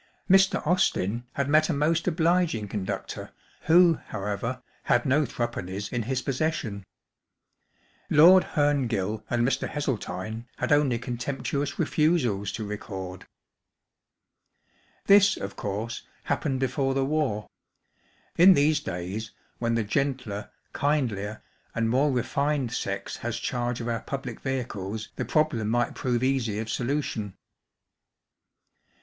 Mr. Austin had met a most obliging conductor, who, however, had no three pennies in his possession. Lord Hemgill and Mr. Hesseltine had only contemp¬ tuous refusals to record. This, of course, happened before the war. * In these days, when the gentler, kindlier, and more, refined sex has charge of our public vehicles the problem might prove easy of solution.